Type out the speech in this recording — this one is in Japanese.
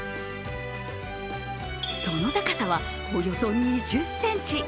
その高さはおよそ２０ｃｍ。